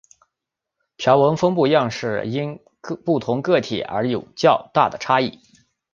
条纹分布样式的因不同个体而有较大的差异。